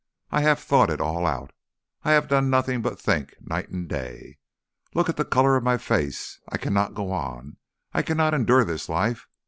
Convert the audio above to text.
I have thought it all out, I have done nothing but think night and day. Look at the colour of my face! I cannot go on. I cannot endure this life....